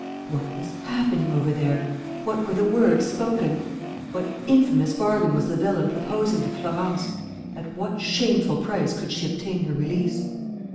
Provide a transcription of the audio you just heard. What was happening over there? What were the words spoken? What infamous bargain was the villain proposing to Florence? At what shameful price could she obtain her release?